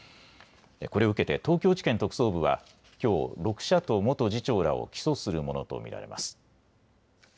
これを受けて東京地検特捜部はきょう６社と元次長らを起訴するものと見られます。